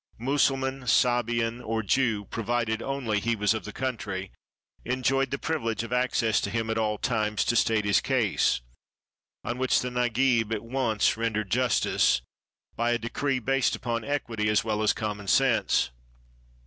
Mussulman, Sabian, or Jew, provided only he was of the country, enjoyed the privilege of access to him at all times to state his case, 529 ARABIA on which the Nagib at once rendered justice by a decree based upon equity as well as common sense.